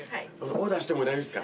オーダーしても大丈夫ですか？